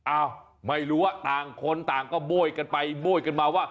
อ้าวไม่รู้ว่าต่างคนต่างก็โบ้ยกันไปโบ้ยกันมาว่า